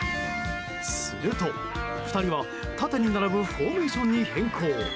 すると２人は、縦に並ぶフォーメーションに変更。